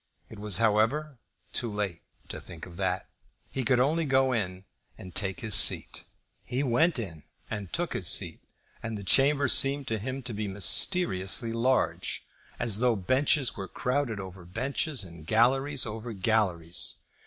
It was, however, too late to think of that. He could only go in and take his seat. He went in and took his seat, and the chamber seemed to him to be mysteriously large, as though benches were crowded over benches, and galleries over galleries.